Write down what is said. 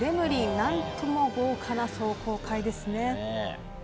何とも豪華な壮行会ですね。